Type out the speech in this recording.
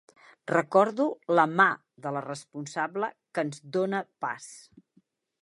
Recordo la mà de la responsable que ens dóna pas.